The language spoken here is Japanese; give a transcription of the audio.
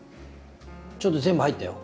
ちょっと全部入ったよ。